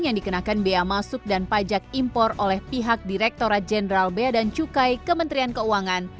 yang dikenakan bea masuk dan pajak impor oleh pihak direkturat jenderal bea dan cukai kementerian keuangan